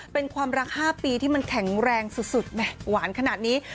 เป็นความรัก๕ปีที่มันแข็งแรงสุดแหมหวานขนาดนี้